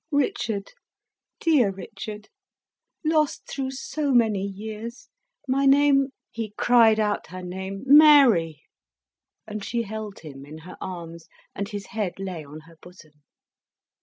"Richard, dear Richard, lost through so many years, my name " He cried out her name, "Mary," and she held him in her arms, and his head lay on her bosom.